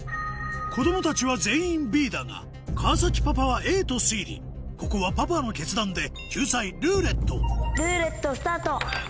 子供たちは全員Ｂだが川パパはＡと推理ここはパパの決断で救済「ルーレット」ルーレットスタート。